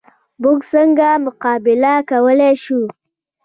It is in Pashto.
موږ څنګه مقابله کولی شو؟